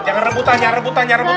jangan rebutannya rebutannya rebut